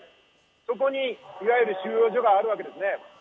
そこにいわゆる収容所があるわけです。